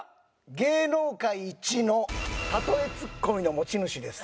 芸能界一の例えツッコミの持ち主です。